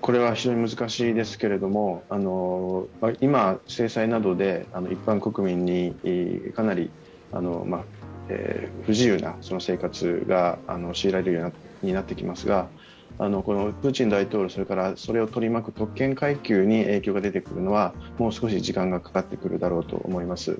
これは非常に難しいですけれども、今、制裁などで一般国民にかなり不自由な生活が強いられるようになってきますが、プーチン大統領、それからそれを取り巻く特権階級に影響が出てくるのはもう少し時間がかかってくるだろうと思います。